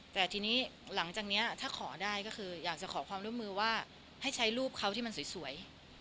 แต่ทีนี้หลังจากนี้ถ้าขอได้ก็คืออยากจะขอความร่วมมือว่าให้ใช้รูปเขาที่มันสวย